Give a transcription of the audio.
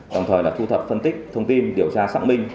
đồng thời là thu thập phân tích thông tin điều tra xác minh